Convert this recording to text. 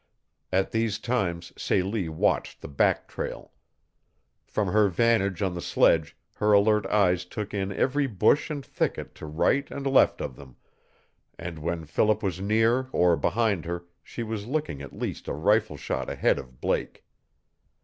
At these times Celie watched the back trail. From her vantage on the sledge her alert eyes took in every bush and thicket to right and left of them, and when Philip was near or behind her she was looking at least a rifle shot ahead of Blake.